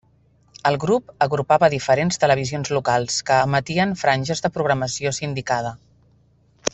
El grup agrupava diferents televisions locals que emetien franges de programació sindicada.